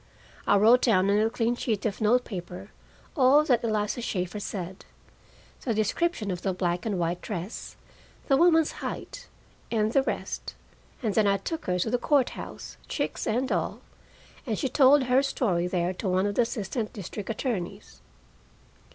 I wrote down on a clean sheet of note paper all that Eliza Shaeffer said: the description of the black and white dress, the woman's height, and the rest, and then I took her to the court house, chicks and all, and she told her story there to one of the assistant district attorneys.